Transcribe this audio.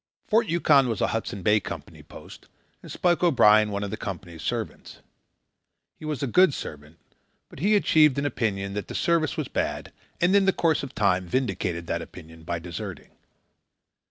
Fort Yukon was a Hudson Bay Company post, and Spike O'Brien one of the Company's servants. He was a good servant, but he achieved an opinion that the service was bad, and in the course of time vindicated that opinion by deserting.